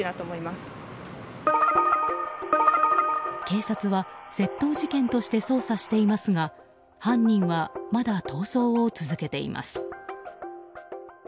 警察は窃盗事件として捜査していますが犯人はまだ逃走を続けています。